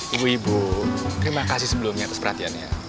ibu ibu terima kasih sebelumnya atas perhatiannya